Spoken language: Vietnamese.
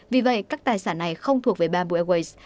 vì vậy các tài sản này không thuộc về bamboo airways